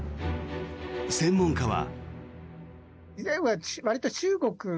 専門家は。